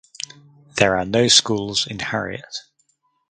There are no schools in Harriet.